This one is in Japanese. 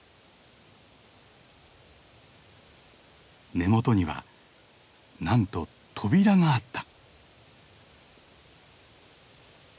根元にはなんと扉があった。